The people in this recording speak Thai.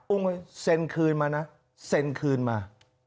อุ้มเข้าไปเซ็นคืนมานะเซ็นคืนมา